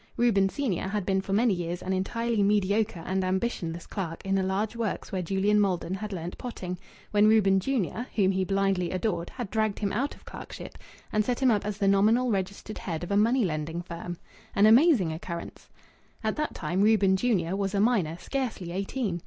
Reuben, senior, had been for many years an entirely mediocre and ambitionless clerk in a large works where Julian Maldon had learnt potting, when Reuben, junior (whom he blindly adored), had dragged him out of clerkship, and set him up as the nominal registered head of a money lending firm. An amazing occurrence! At that time Reuben, junior, was a minor, scarcely eighteen.